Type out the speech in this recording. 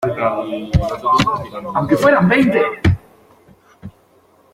aunque fueran veinte